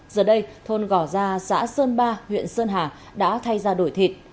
giờ đây thôn gò gia xã sơn ba huyện sơn hà đã thay ra đổi thịt